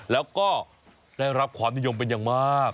แล้วก็ได้รับความนิยมเป็นอย่างมาก